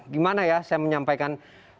gimana ya saya menyampaikan